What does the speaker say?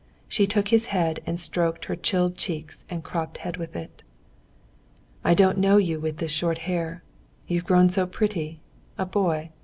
She took his hand and stroked her chilled cheeks and cropped head with it. "I don't know you with this short hair. You've grown so pretty. A boy.